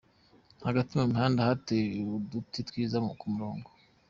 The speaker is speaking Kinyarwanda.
Hagati mu mihanda hateye uduti twiza ku murongo.